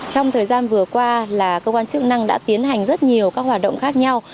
trong thời gian vừa qua là cơ quan chức năng đã tiến hành rất nhiều các hoạt động khác nhau